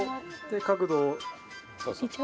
角度を。